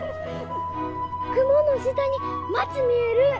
雲の下に町見える！